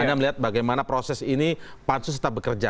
anda melihat bagaimana proses ini pansus tetap bekerja